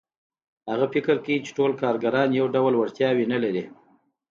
هغه فکر کوي چې ټول کارګران یو ډول وړتیاوې نه لري